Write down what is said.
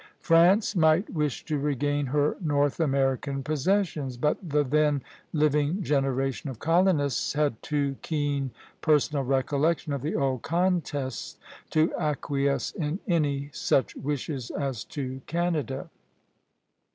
France might wish to regain her North American possessions; but the then living generation of colonists had too keen personal recollection of the old contests to acquiesce in any such wishes as to Canada.